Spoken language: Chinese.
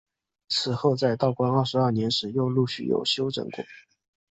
此后在道光二十二年时又陆续有整修过。